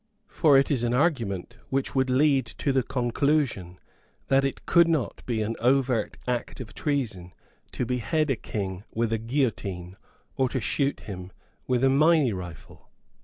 For it is an argument which would lead to the conclusion that it could not be an overt act of treason to behead a King with a guillotine or to shoot him with a Minie rifle.